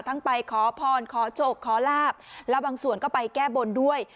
ไปขอพรขอโชคขอลาบแล้วบางส่วนก็ไปแก้บนด้วย